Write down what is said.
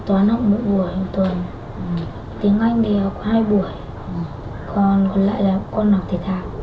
đi học một tuần một buổi toán học một buổi một tuần tiếng anh đi học hai buổi còn còn lại là con học thể thao